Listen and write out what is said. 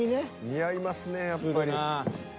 ［似合いますねやっぱり］